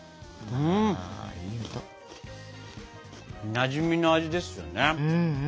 なじみの味ですね。